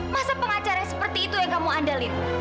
masa pengacaranya seperti itu yang kamu andalin